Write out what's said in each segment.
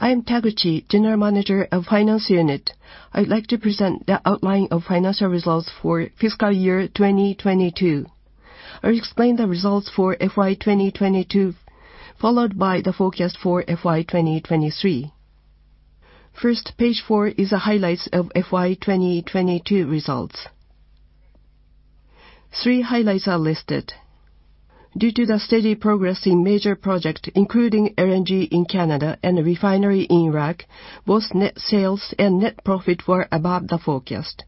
I am Taguchi, General Manager of Finance Unit. I'd like to present the outline of financial results for fiscal year 2022. I'll explain the results for FY 2022, followed by the forecast for FY 2023. Page four is the highlights of FY 2022 results. three highlights are listed. Due to the steady progress in major projects, including LNG in Canada and a refinery in Iraq, both net sales and net profit were above the forecast.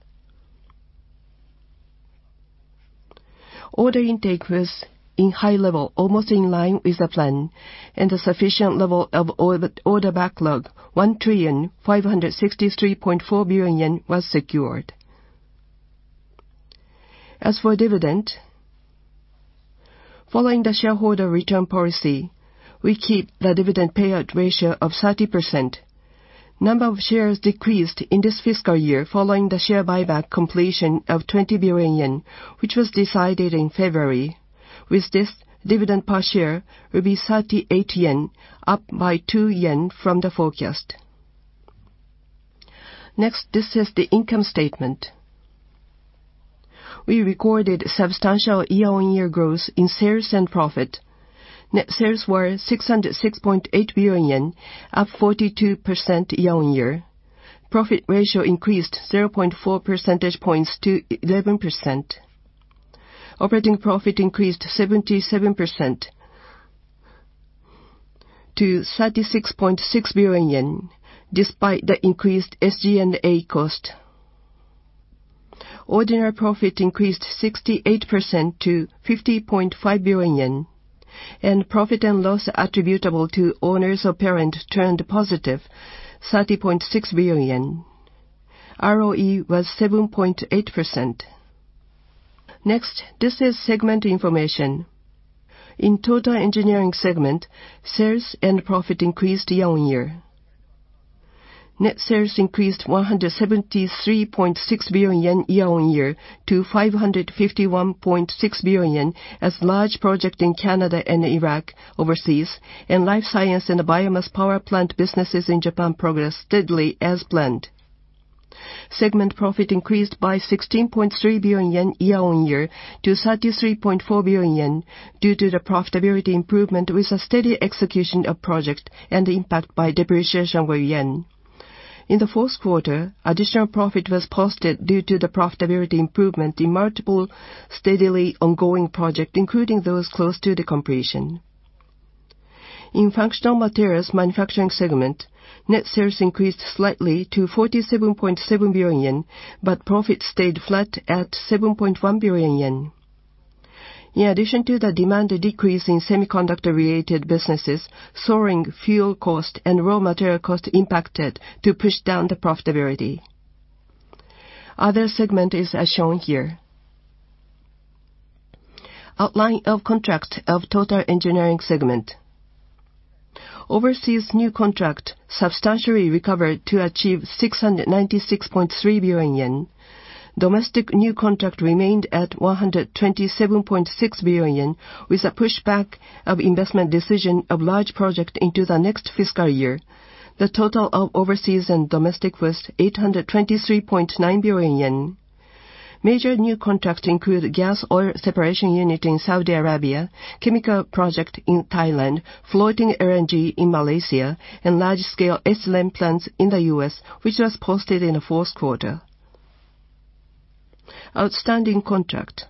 Order intake was in high level, almost in line with the plan, and a sufficient level of order backlog, 1,563.4 billion yen, was secured. As for dividend, following the shareholder return policy, we keep the dividend payout ratio of 30%. Number of shares decreased in this fiscal year following the share buyback completion of 20 billion yen, which was decided in February. With this, dividend per share will be 38 yen, up by 2 yen from the forecast. This is the income statement. We recorded substantial year-on-year growth in sales and profit. Net sales were 606.8 billion yen, up 42% year-on-year. Profit ratio increased 0.4 percentage points to 11%. Operating profit increased 77% to 36.6 billion yen, despite the increased SG&A cost. Ordinary profit increased 68% to 50.5 billion yen, and profit and loss attributable to owners of parent turned positive, 30.6 billion. ROE was 7.8%. This is segment information. In Total Engineering segment, sales and profit increased year-on-year. Net sales increased 173.6 billion yen year-on-year to 551.6 billion yen as large project in Canada and Iraq overseas, and life science and biomass power plant businesses in Japan progressed steadily as planned. Segment profit increased by 16.3 billion yen year-on-year to 33.4 billion yen due to the profitability improvement with the steady execution of project and impact by depreciation were yen. In the fourth quarter, additional profit was posted due to the profitability improvement in multiple steadily ongoing project, including those close to the completion. In Functional Materials Manufacturing segment, net sales increased slightly to 47.7 billion yen, but profit stayed flat at 7.1 billion yen. In addition to the demand decrease in semiconductor-related businesses, soaring fuel cost and raw material cost impacted to push down the profitability. Other segment is as shown here. Outline of contract of Total Engineering segment. Overseas new contract substantially recovered to achieve 696.3 billion yen. Domestic new contract remained at 127.6 billion yen with a pushback of investment decision of large project into the next fiscal year. The total of overseas and domestic was 823.9 billion yen. Major new contracts include gas oil separation unit in Saudi Arabia, chemical project in Thailand, Floating LNG in Malaysia, and large-scale ethylene plants in the U.S., which was posted in the fourth quarter. Outstanding contract.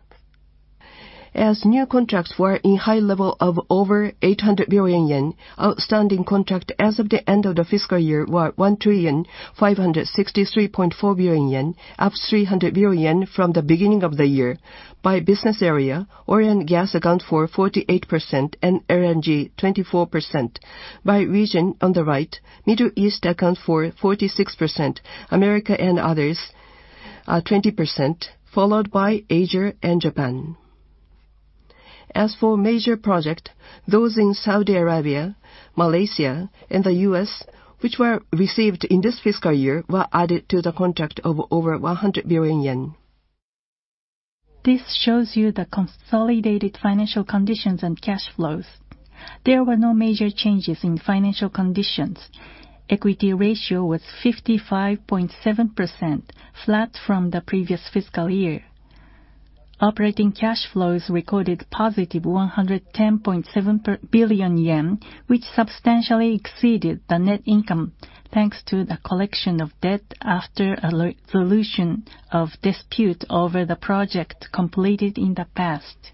As new contracts were in high level of over 800 billion yen, outstanding contract as of the end of the fiscal year were 1,563.4 billion yen, up 300 billion yen from the beginning of the year. By business area, oil and gas account for 48% and LNG 24%. By region on the right, Middle East account for 46%, America and others, 20%, followed by Asia and Japan. As for major project, those in Saudi Arabia, Malaysia, and the U.S., which were received in this fiscal year, were added to the contract of over 100 billion yen. This shows you the consolidated financial conditions and cash flows. There were no major changes in financial conditions. Equity ratio was 55.7%, flat from the previous fiscal year. Operating cash flows recorded +110.7 billion yen, which substantially exceeded the net income thanks to the collection of debt after a re-resolution of dispute over the project completed in the past.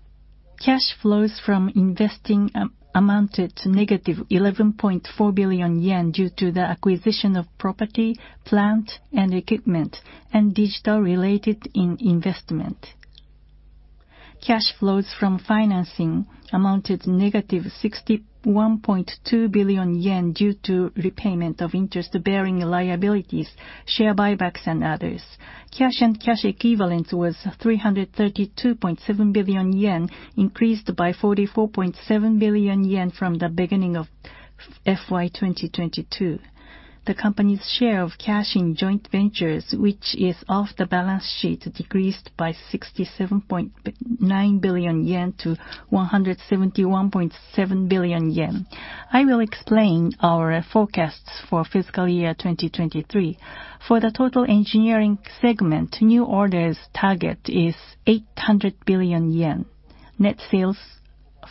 Cash flows from investing amounted to -11.4 billion yen due to the acquisition of property, plant, and equipment, and digital related in investment. Cash flows from financing amounted -61.2 billion yen due to repayment of interest-bearing liabilities, share buybacks, and others. Cash and cash equivalents was 332.7 billion yen, increased by 44.7 billion yen from the beginning of FY 2022. The company's share of cash in joint ventures, which is off the balance sheet, decreased by 67.9 billion yen to 171.7 billion yen. I will explain our forecasts for fiscal year 2023. For the Total Engineering segment, new orders target is 800 billion yen. Net sales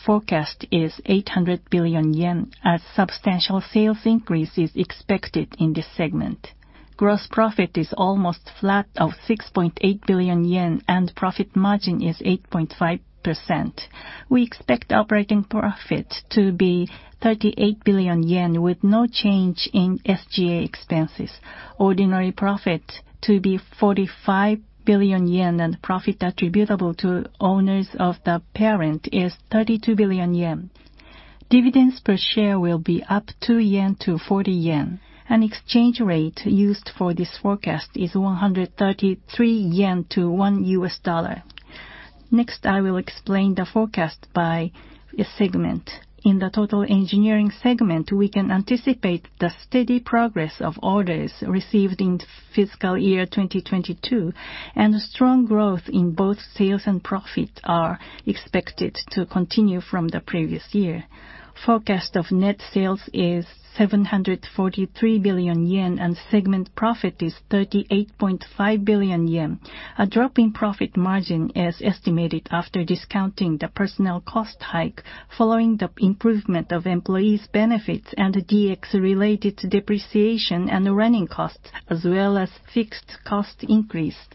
forecast is 800 billion yen as substantial sales increase is expected in this segment. Gross profit is almost flat of 6.8 billion yen, and profit margin is 8.5%. We expect operating profit to be 38 billion yen with no change in SGA expenses. Ordinary profit to be 45 billion yen, and profit attributable to owners of the parent is 32 billion yen. Dividends per share will be up 2 yen to 40 yen. Exchange rate used for this forecast is 133 yen to $1. Next, I will explain the forecast by segment. In the Total Engineering segment, we can anticipate the steady progress of orders received in fiscal year 2022, and strong growth in both sales and profit are expected to continue from the previous year. Forecast of net sales is 743 billion yen, and segment profit is 38.5 billion yen. A drop in profit margin is estimated after discounting the personnel cost hike following the improvement of employees' benefits and DX related depreciation and running costs as well as fixed cost increase.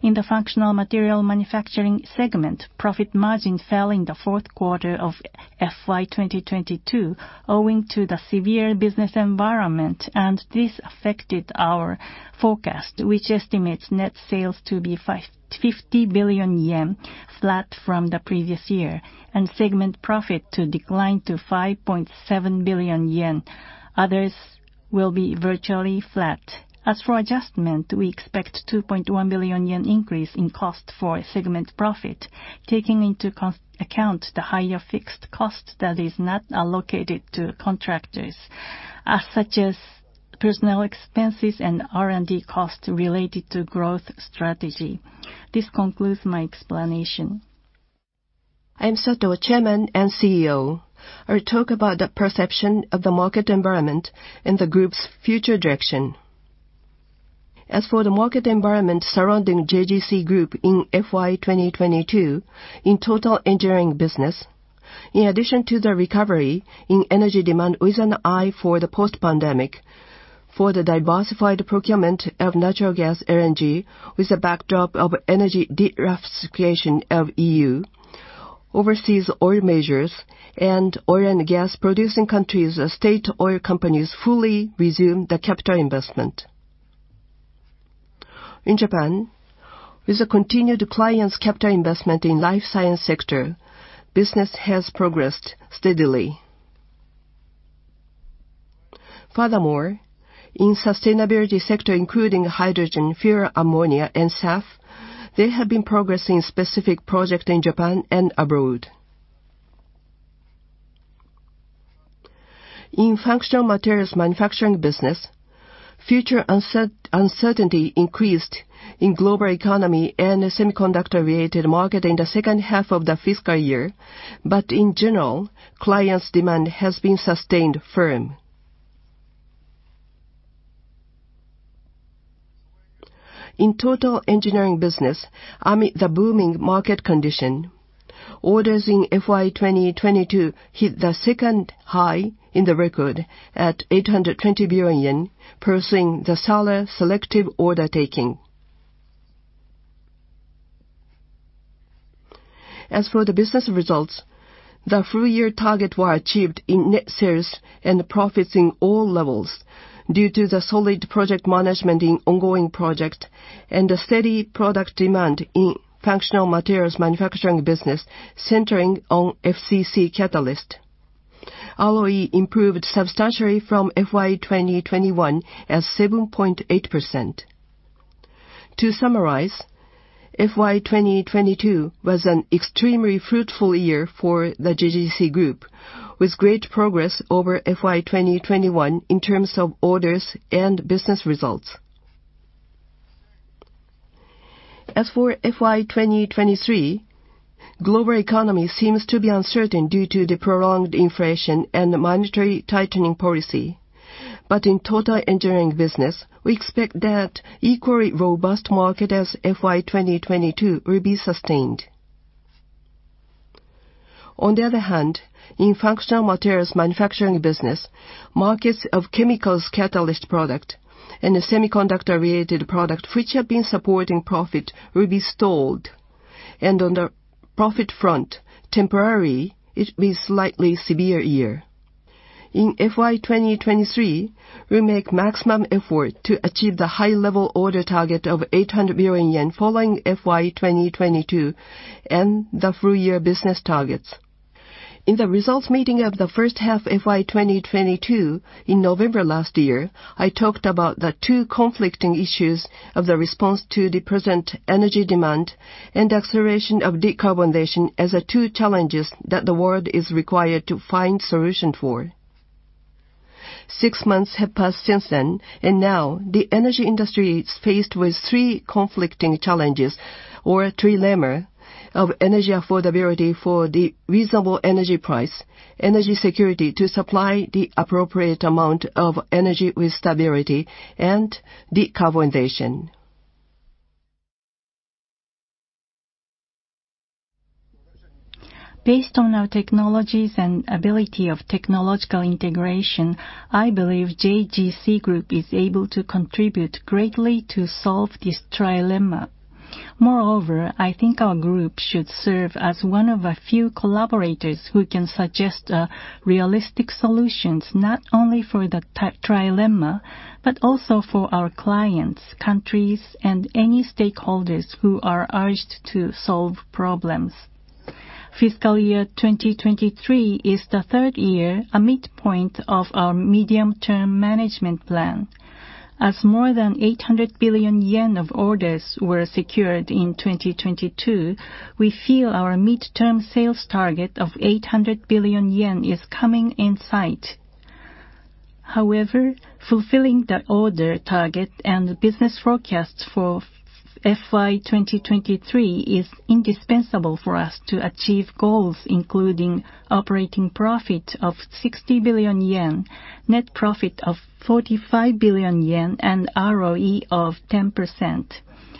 In the Functional Materials Manufacturing segment, profit margin fell in the fourth quarter of FY 2022 owing to the severe business environment. This affected our forecast, which estimates net sales to be 50 billion yen flat from the previous year and segment profit to decline to 5.7 billion yen. Others will be virtually flat. As for adjustment, we expect 2.1 billion yen increase in cost for segment profit, taking into account the higher fixed cost that is not allocated to contractors, such as personnel expenses and R&D costs related to growth strategy. This concludes my explanation. I am Sato, Chairman and CEO. I will talk about the perception of the market environment and the group's future direction. As for the market environment surrounding JGC Group in FY 2022, in Total Engineering business, in addition to the recovery in energy demand with an eye for the post-pandemic, for the diversified procurement of natural gas energy, with the backdrop of energy decarbonization of EU, overseas oil majors and oil and gas producing countries, state oil companies fully resume the capital investment. In Japan, with the continued clients' capital investment in life science sector, business has progressed steadily. In sustainability sector, including hydrogen, fuel ammonia, and SAF, they have been progressing specific project in Japan and abroad. In Functional Materials Manufacturing business, future uncertainty increased in global economy and semiconductor-related market in the second half of the fiscal year. In general, clients' demand has been sustained firm. In Total Engineering business, amid the booming market condition, orders in FY 2022 hit the second high in the record at 820 billion yen, pursuing the selective order taking. As for the business results, the full year target were achieved in net sales and profits in all levels due to the solid project management in ongoing project and the steady product demand in Functional Materials Manufacturing business centering on FCC Catalyst. ROE improved substantially from FY 2021 as 7.8%. To summarize, FY 2022 was an extremely fruitful year for the JGC Group, with great progress over FY 2021 in terms of orders and business results. As for FY 2023, global economy seems to be uncertain due to the prolonged inflation and the monetary tightening policy. In Total Engineering business, we expect that equally robust market as FY 2022 will be sustained. On the other hand, in Functional Materials Manufacturing business, markets of chemicals catalyst product and the semiconductor-related product, which have been supporting profit, will be stalled. On the profit front, temporary, it will be slightly severe year. In FY 2023, we make maximum effort to achieve the high level order target of 800 billion yen following FY 2022 and the full year business targets. In the results meeting of the first half FY 2022 in November last year, I talked about the two conflicting issues of the response to the present energy demand and acceleration of decarbonization as the two challenges that the world is required to find solution for. Six months have passed since then. Now the energy industry is faced with three conflicting challenges or trilemma of energy affordability for the reasonable energy price, energy security to supply the appropriate amount of energy with stability, and decarbonization. Based on our technologies and ability of technological integration, I believe JGC Group is able to contribute greatly to solve this trilemma. I think our group should serve as one of a few collaborators who can suggest realistic solutions, not only for the trilemma, but also for our clients, countries, and any stakeholders who are urged to solve problems. Fiscal year 2023 is the third year, a midpoint of our medium-term management plan. As more than 800 billion yen of orders were secured in 2022, we feel our midterm sales target of 800 billion yen is coming in sight. Fulfilling the order target and business forecast for FY 2023 is indispensable for us to achieve goals, including operating profit of 60 billion yen, net profit of 45 billion yen, and ROE of 10%.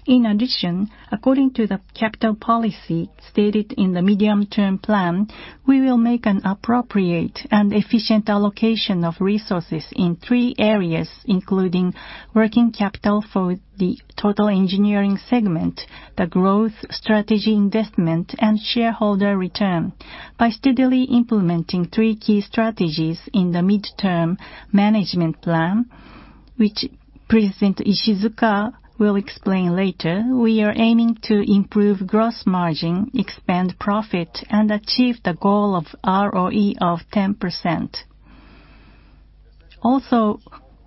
In addition, according to the capital policy stated in the medium-term plan, we will make an appropriate and efficient allocation of resources in three areas, including working capital for the Total Engineering segment, the growth strategy investment, and shareholder return. By steadily implementing three key strategies in the midterm management plan, which President Ishizuka will explain later, we are aiming to improve gross margin, expand profit, and achieve the goal of ROE of 10%.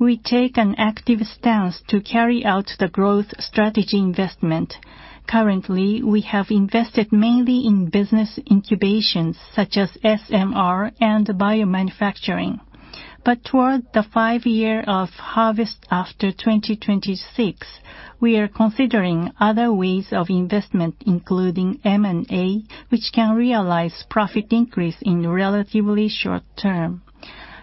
We take an active stance to carry out the growth strategy investment. Currently, we have invested mainly in business incubations such as SMR and biomanufacturing. Toward the five-year of harvest after 2026, we are considering other ways of investment, including M&A, which can realize profit increase in relatively short term.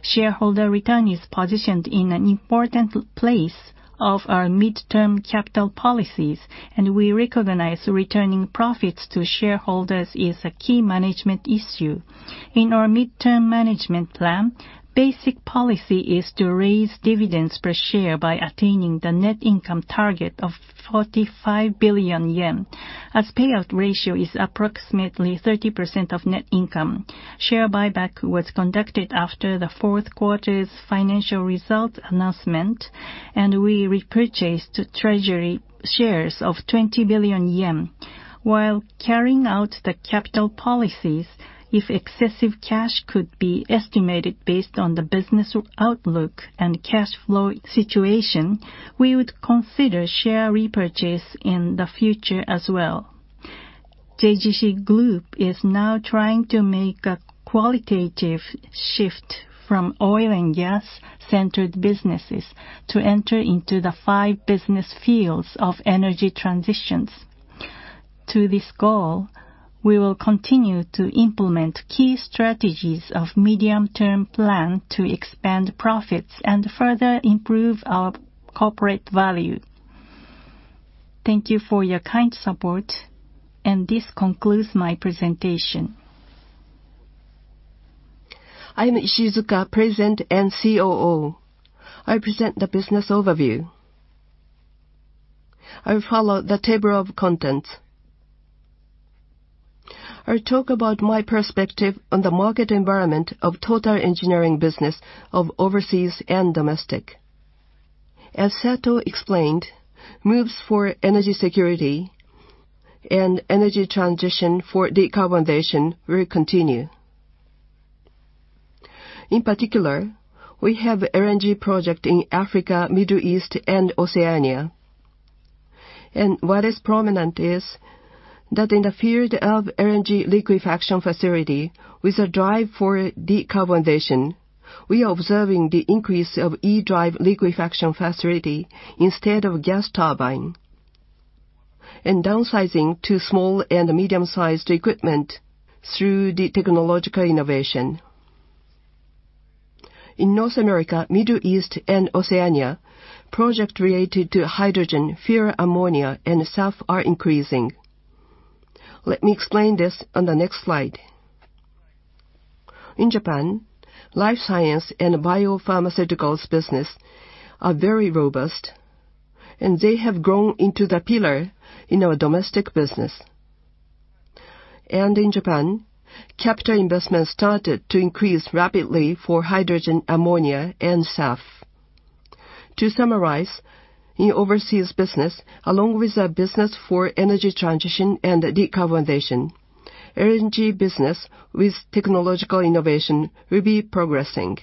Shareholder return is positioned in an important place of our midterm capital policies, and we recognize returning profits to shareholders is a key management issue. In our midterm management plan, basic policy is to raise dividends per share by attaining the net income target of 45 billion yen. As payout ratio is approximately 30% of net income, share buyback was conducted after the fourth quarter's financial result announcement, and we repurchased treasury shares of 20 billion yen. While carrying out the capital policies, if excessive cash could be estimated based on the business outlook and cash flow situation, we would consider share repurchase in the future as well. JGC Group is now trying to make a qualitative shift from oil and gas-centered businesses to enter into the five business fields of energy transitions. To this goal, we will continue to implement key strategies of medium-term plan to expand profits and further improve our corporate value. Thank you for your kind support. This concludes my presentation. I am Ishizuka, President and COO. I present the business overview. I follow the table of contents. I talk about my perspective on the market environment of Total Engineering business of overseas and domestic. As Sato explained, moves for energy security and energy transition for decarbonization will continue. In particular, we have LNG project in Africa, Middle East, and Oceania. What is prominent is that in the field of LNG liquefaction facility, with a drive for decarbonization, we are observing the increase of E-Drive liquefaction facility instead of gas turbine. Downsizing to small and medium-sized equipment through the technological innovation. In North America, Middle East, and Oceania, project related to hydrogen, fuel ammonia, and SAF are increasing. Let me explain this on the next slide. In Japan, life science and biopharmaceuticals business are very robust, and they have grown into the pillar in our domestic business. In Japan, capital investment started to increase rapidly for hydrogen, ammonia, and SAF. To summarize, in overseas business, along with a business for energy transition and decarbonization, LNG business with technological innovation will be progressing.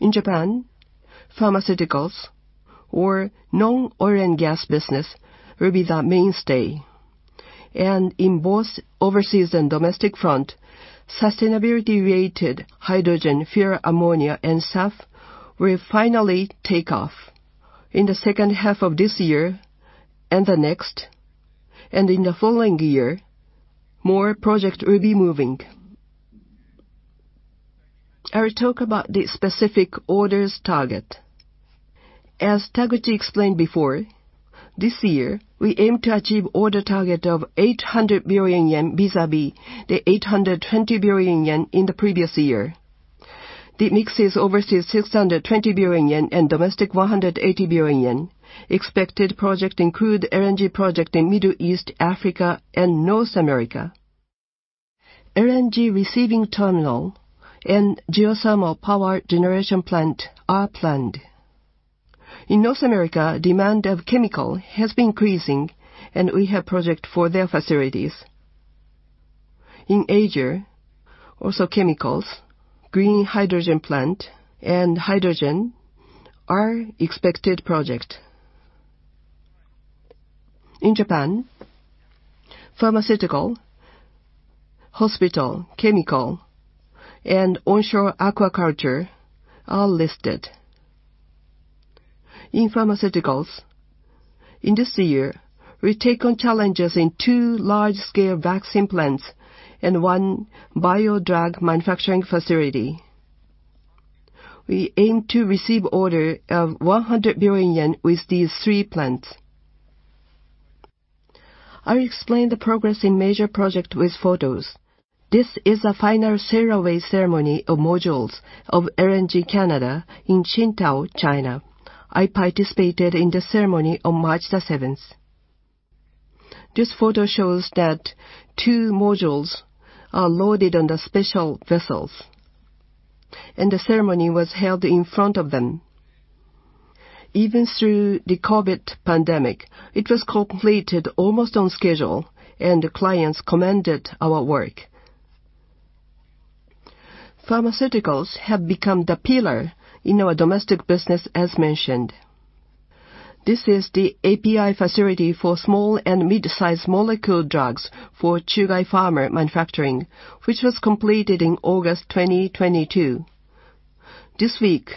In Japan, pharmaceuticals or non-oil and gas business will be the mainstay. In both overseas and domestic front, sustainability-related hydrogen fuel ammonia and SAF will finally take off in the second half of this year and the next. In the following year, more project will be moving. I will talk about the specific orders target. As Taguchi explained before, this year we aim to achieve order target of 800 billion yen vis-à-vis the 820 billion yen in the previous year. The mix is overseas 620 billion yen and domestic 180 billion yen. Expected project include LNG project in Middle East, Africa, and North America. LNG receiving terminal and geothermal power generation plant are planned. In North America, demand of chemical has been increasing, and we have project for their facilities. In Asia, also chemicals, green hydrogen plant and hydrogen are expected project. In Japan, pharmaceutical, hospital, chemical, and onshore aquaculture are listed. In pharmaceuticals, in this year, we take on challenges in two large-scale vaccine plants and one bio-drug manufacturing facility. We aim to receive order of 100 billion yen with these three plants. I'll explain the progress in major project with photos. This is a final sail away ceremony of modules of LNG Canada in Qingdao, China. I participated in the ceremony on March 7. This photo shows that two modules are loaded on the special vessels, and the ceremony was held in front of them. Even through the COVID pandemic, it was completed almost on schedule. The clients commended our work. Pharmaceuticals have become the pillar in our domestic business, as mentioned. This is the API facility for small and mid-size molecule drugs for Chugai Pharma Manufacturing, which was completed in August 2022. This week,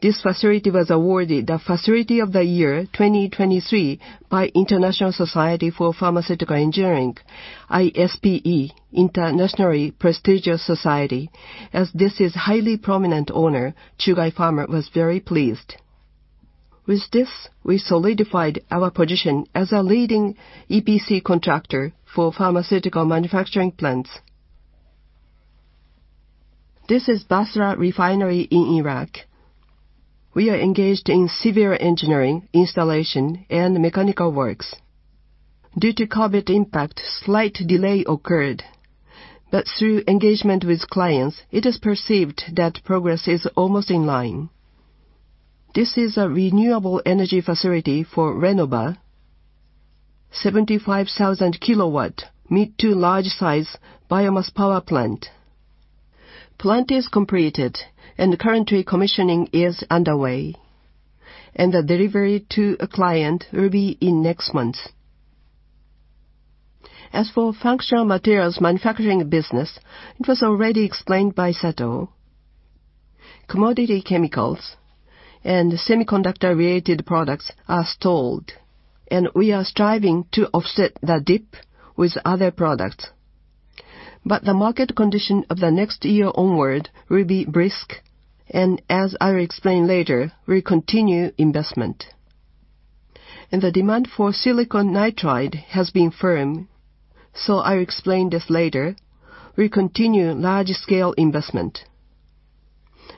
this facility was awarded the Facility of the Year 2023 by International Society for Pharmaceutical Engineering, ISPE, internationally prestigious society. As this is highly prominent owner, Chugai Pharma was very pleased. With this, we solidified our position as a leading EPC contractor for pharmaceutical manufacturing plants. This is Basra Refinery in Iraq. We are engaged in severe engineering, installation, and mechanical works. Due to COVID impact, slight delay occurred. Through engagement with clients, it is perceived that progress is almost in line. This is a renewable energy facility for RENOVA, 75,000 kW mid-to large-size biomass power plant. Plant is completed and currently commissioning is underway. The delivery to a client will be in next month. As for Functional Materials Manufacturing business, it was already explained by Sato. Commodity chemicals and semiconductor-related products are stalled. We are striving to offset the dip with other products. The market condition of the next year onward will be brisk. As I will explain later, we continue investment. The demand for silicon nitride has been firm. I'll explain this later. We continue large-scale investment.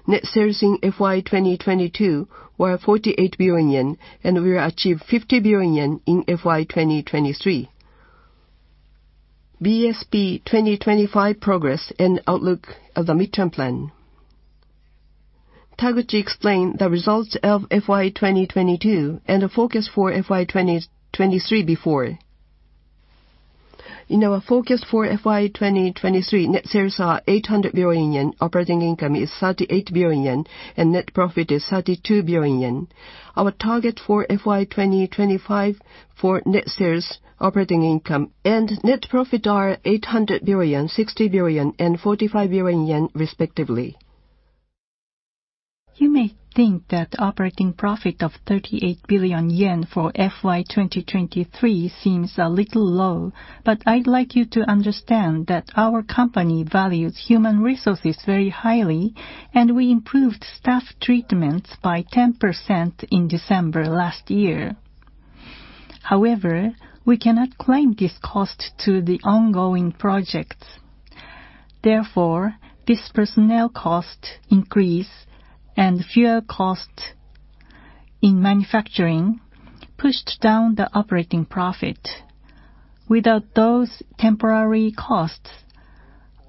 Net sales in FY 2022 were 48 billion yen. We will achieve 50 billion yen in FY 2023. BSP 2025 progress and outlook of the midterm plan. Taguchi explained the results of FY 2022 and the focus for FY 2023 before. In our focus for FY 2023, net sales are 800 billion yen, operating income is 38 billion yen, and net profit is 32 billion yen. Our target for FY 2025 for net sales, operating income, and net profit are 800 billion, 60 billion, and 45 billion yen respectively. You may think that operating profit of 38 billion yen for FY 2023 seems a little low. I'd like you to understand that our company values human resources very highly, and we improved staff treatments by 10% in December last year. However, we cannot claim this cost to the ongoing projects. Therefore, this personnel cost increase and fuel cost in manufacturing pushed down the operating profit. Without those temporary costs,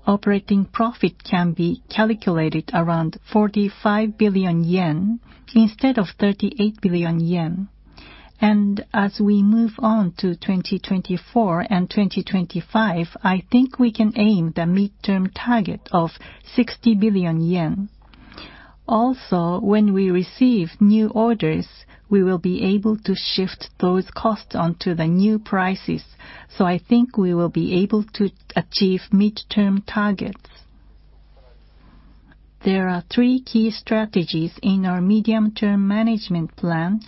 operating profit can be calculated around 45 billion yen instead of 38 billion yen. As we move on to 2024 and 2025, I think we can aim the midterm target of 60 billion yen. Also, when we receive new orders, we will be able to shift those costs onto the new prices. I think we will be able to achieve midterm targets. There are three key strategies in our medium-term management plan.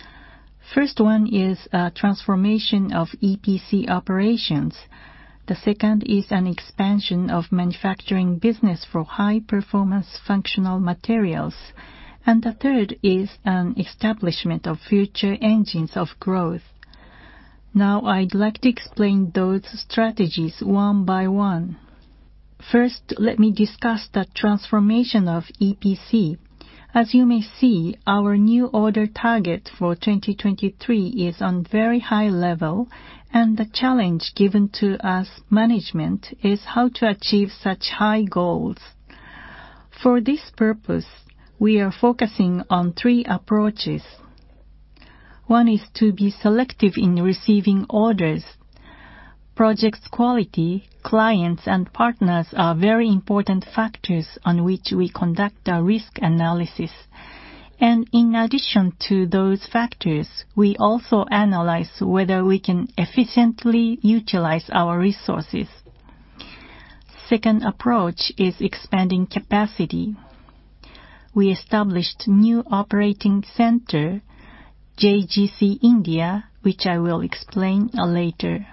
First one is a transformation of EPC operations. The second is an expansion of manufacturing business for high-performance functional materials. The third is an establishment of future engines of growth. Now I'd like to explain those strategies one by one. First, let me discuss the transformation of EPC. As you may see, our new order target for 2023 is on very high level, and the challenge given to us management is how to achieve such high goals. For this purpose, we are focusing on three approaches. One is to be selective in receiving orders. Projects quality, clients, and partners are very important factors on which we conduct a risk analysis. In addition to those factors, we also analyze whether we can efficiently utilize our resources. Second approach is expanding capacity. We established new operating center, JGC India, which I will explain later.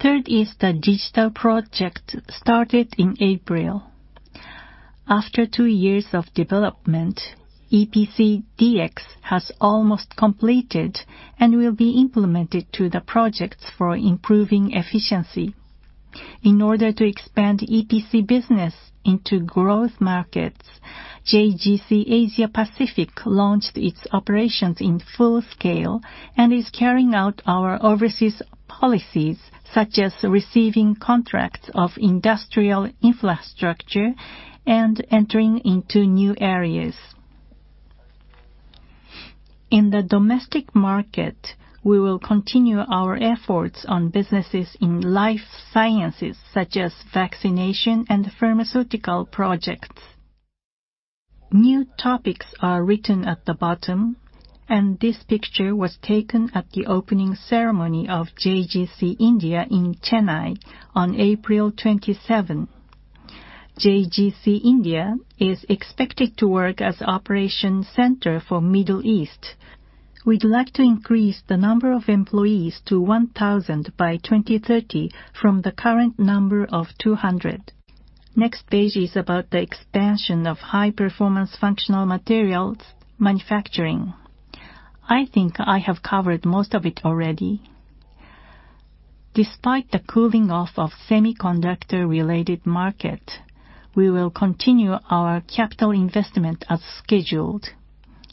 Third is the digital project started in April. After two years of development, EPC DX has almost completed and will be implemented to the projects for improving efficiency. In order to expand EPC business into growth markets, JGC Asia Pacific launched its operations in full scale and is carrying out our overseas policies, such as receiving contracts of industrial infrastructure and entering into new areas. In the domestic market, we will continue our efforts on businesses in life sciences, such as vaccination and pharmaceutical projects. New topics are written at the bottom. This picture was taken at the opening ceremony of JGC India in Chennai on April 27. JGC India is expected to work as operation center for Middle East. We'd like to increase the number of employees to 1,000 by 2030 from the current number of 200. Next page is about the expansion of high-performance Functional Materials Manufacturing. I think I have covered most of it already. Despite the cooling off of semiconductor-related market, we will continue our capital investment as scheduled,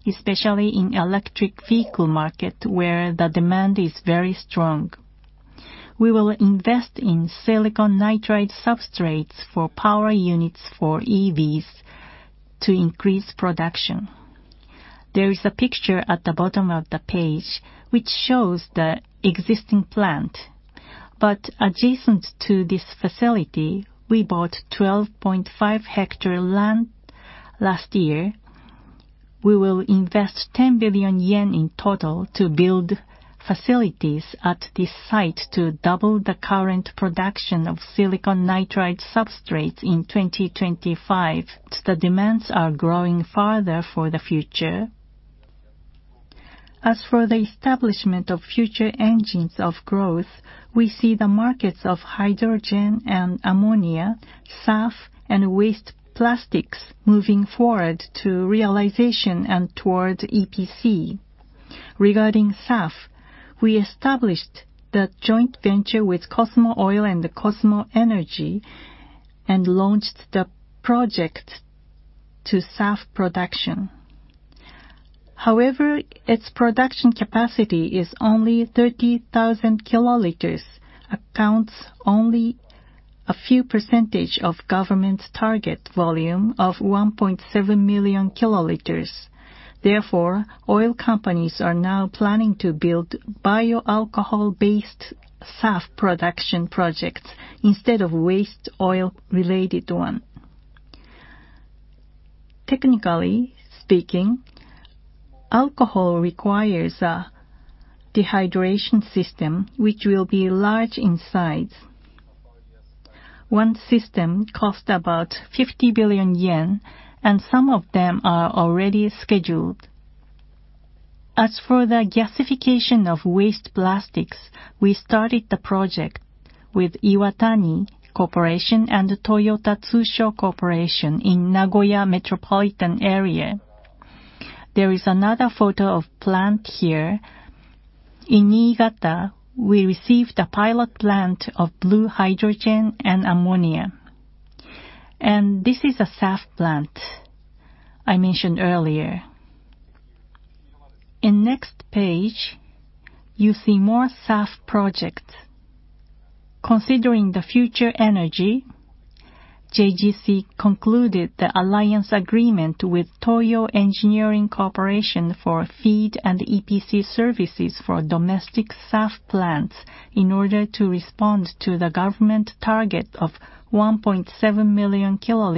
especially in electric vehicle market where the demand is very strong. We will invest in silicon nitride substrates for power units for EVs to increase production. There is a picture at the bottom of the page which shows the existing plant. Adjacent to this facility, we bought 12.5 hectares land last year. We will invest 10 billion yen in total to build facilities at this site to double the current production of silicon nitride substrates in 2025. The demands are growing farther for the future. As for the establishment of future engines of growth, we see the markets of hydrogen and ammonia, SAF, and waste plastics moving forward to realization and towards EPC. Regarding SAF, we established the joint venture with Cosmo Oil and Cosmo Energy and launched the project to SAF production. Its production capacity is only 30,000 kL, accounts only a few percentage of government's target volume of 1.7 million kL. Oil companies are now planning to build bioalcohol-based SAF production projects instead of waste oil-related one. Technically speaking, alcohol requires a dehydration system which will be large in size. One system cost about 50 billion yen, some of them are already scheduled. As for the gasification of waste plastics, we started the project with Iwatani Corporation and Toyota Tsusho Corporation in Nagoya metropolitan area. There is another photo of plant here. In Niigata, we received a pilot plant of blue hydrogen and ammonia. This is a SAF plant I mentioned earlier. In next page, you see more SAF projects. Considering the future energy, JGC concluded the alliance agreement with Toyo Engineering Corporation for FEED and EPC services for domestic SAF plants in order to respond to the government target of 1.7 million kL,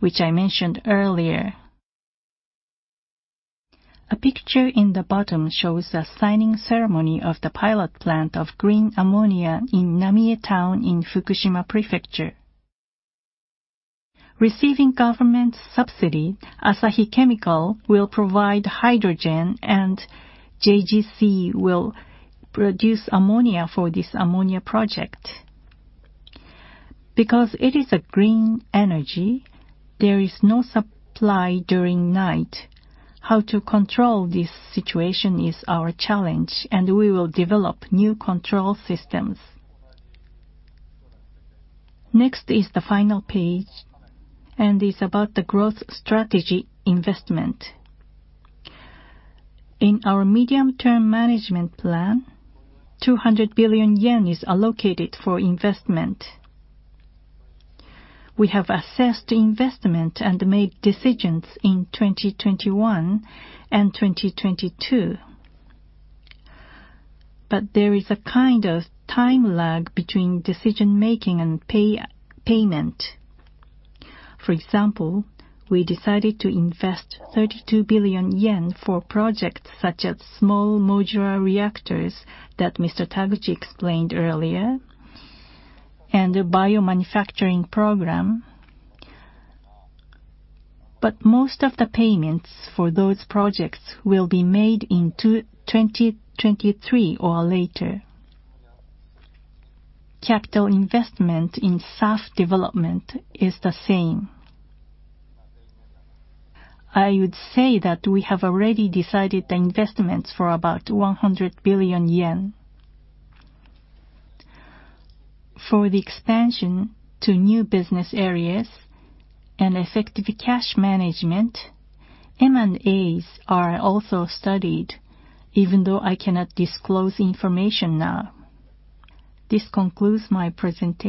which I mentioned earlier. A picture in the bottom shows the signing ceremony of the pilot plant of green ammonia in Namie Town in Fukushima Prefecture. Receiving government subsidy, Asahi Chemical will provide hydrogen and JGC will produce ammonia for this ammonia project. Because it is a green energy, there is no supply during night. How to control this situation is our challenge, and we will develop new control systems. Next is the final page, and is about the growth strategy investment. In our medium-term management plan, 200 billion yen is allocated for investment. We have assessed investment and made decisions in 2021 and 2022. There is a kind of time lag between decision-making and payment. For example, we decided to invest 32 billion yen for projects such as small modular reactors that Mr. Taguchi explained earlier, and a biomanufacturing program. Most of the payments for those projects will be made in 2023 or later. Capital investment in SAF development is the same. I would say that we have already decided the investments for about 100 billion yen. For the expansion to new business areas and effective cash management, M&As are also studied, even though I cannot disclose information now. This concludes my presentation.